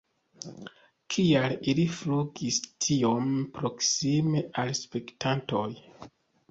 Kial ili flugis tiom proksime al spektantoj?